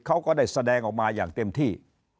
เขาก็ได้แสดงออกมาอย่างเต็มที่